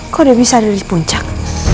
kok udah bisa ada di puncak